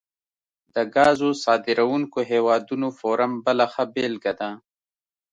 د ګازو صادرونکو هیوادونو فورم بله ښه بیلګه ده